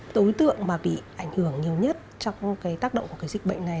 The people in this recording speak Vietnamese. đối tượng mà bị ảnh hưởng nhiều nhất trong tác động của dịch bệnh này